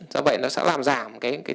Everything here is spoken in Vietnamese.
do vậy nó sẽ làm giảm cái tiến dụng